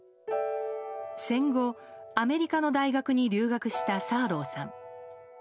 戦後、アメリカの大学に留学したサーローさん。